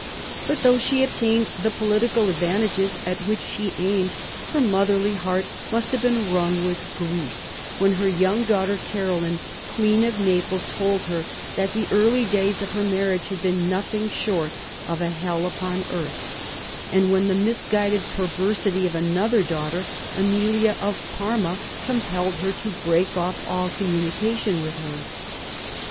But, though she obtained the political advantages at which she aimed, her motherly heart must have been wrung with grief when her young daughter Caroline, Queen of Naples, told her that the early days of her marriage had been nothing short of a hell upon earth, and when the misguided perversity of another daughter, Amelia of Parma, compelled her to break off all communication with her.